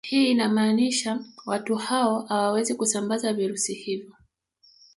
Hii inamaanisha watu hao hawawezi kusambaza virusi hivyo